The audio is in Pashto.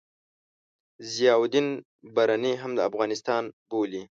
ضیاألدین برني هم افغانستان بولي.